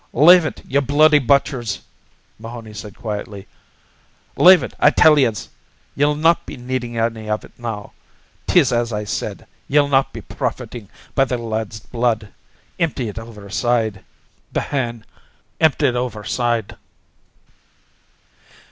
"Lave ut, you bloody butchers," Mahoney said quietly. "Lave ut, I tell yez. Ye'll not be needin' anny iv ut now. 'Tis as I said: ye'll not be profitin' by the lad's blood. Empty ut overside, Behane. Empty ut overside."